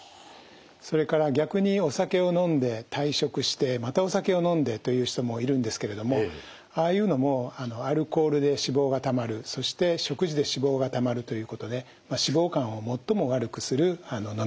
それから逆にお酒を飲んで大食してまたお酒を飲んでという人もいるんですけれどもああいうのもアルコールで脂肪がたまるそして食事で脂肪がたまるということで脂肪肝を最も悪くする飲み方になります。